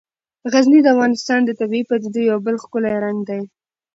غزني د افغانستان د طبیعي پدیدو یو بل ښکلی رنګ دی.